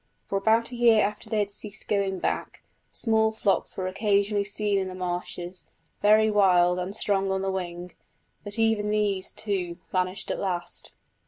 For about a year after they had ceased going back, small flocks were occasionally seen in the marshes, very wild and strong on the wing, but even these, too, vanished at last.